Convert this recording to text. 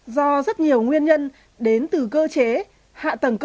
do rất nhiều nguyên nhân đến từ cơ chế hạ tầng cơ sở